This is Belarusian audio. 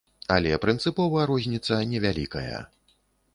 Але прынцыпова розніца не вялікая.